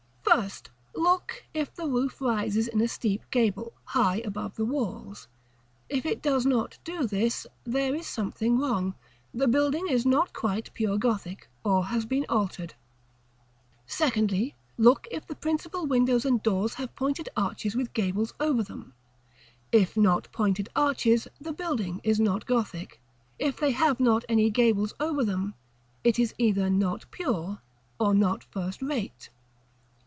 § CVII. First. Look if the roof rises in a steep gable, high above the walls. If it does not do this, there is something wrong; the building is not quite pure Gothic, or has been altered. § CVIII. Secondly. Look if the principal windows and doors have pointed arches with gables over them. If not pointed arches, the building is not Gothic; if they have not any gables over them, it is either not pure, or not first rate.